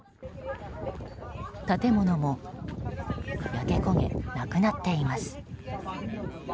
建物も焼け焦げなくなっています。